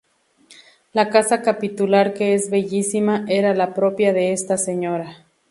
La casa capitular que es bellísima, era la propia de esta señora.